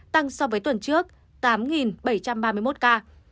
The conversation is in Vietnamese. tăng so với tuần trước tám bảy trăm ba mươi một ca